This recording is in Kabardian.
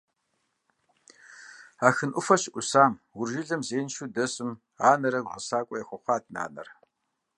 Ахын Ӏуфэ щыӀусам Ур жылэм зеиншэу дэсым анэрэ гъэсакӀуэрэ яхуэхъуат нанэр.